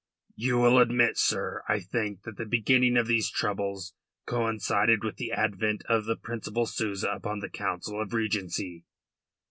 "You will admit, sir, I think, that the beginning of these troubles coincided with the advent of the Principal Souza upon the Council of Regency."